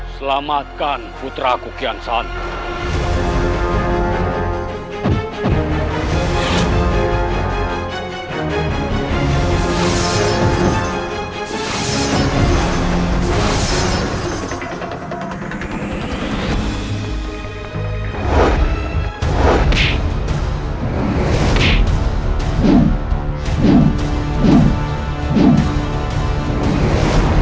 selamatkan putra kukian santang